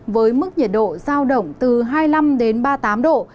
với mức nhiệt độ giao động từ hai mươi năm ba mươi tám độ